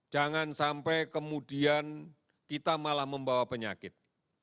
jangan sampai kemudian kita malah membawa penyakit